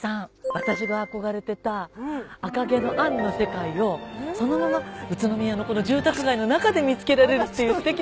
私が憧れてた『赤毛のアン』の世界をそのまま宇都宮のこの住宅街の中で見つけられるっていうすてきな所なのよ。